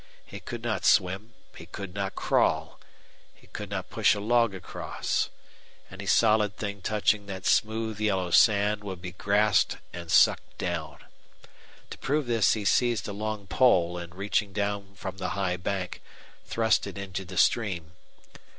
He could not swim; he could not crawl; he could not push a log across. Any solid thing touching that smooth yellow sand would be grasped and sucked down. To prove this he seized a long pole and, reaching down from the high bank, thrust it into the stream.